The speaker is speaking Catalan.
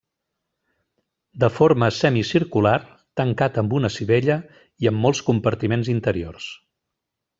De forma semicircular, tancat amb una sivella i amb molts compartiments interiors.